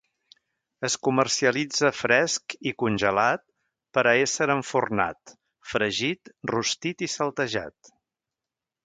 Es comercialitza fresc i congelat per a ésser enfornat, fregit, rostit i saltejat.